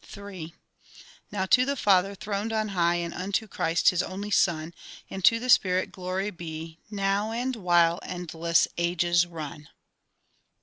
III Now to the Father throned on high, And unto Christ His only Son, And to the Spirit, glory be, Now, and while endless ages run.